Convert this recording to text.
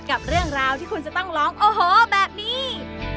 กับเรื่องราวที่คุณจะต้องร้องโอ้โหแบบนี้